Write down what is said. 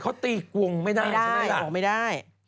เขาตีกวงไม่ได้ออกไม่ได้